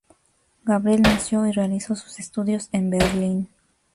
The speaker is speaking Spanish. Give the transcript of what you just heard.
Gabriel nació y realizó sus estudios en Berlín.